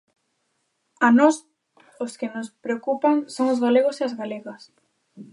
A nós os que nos preocupan son os galegos e as galegas.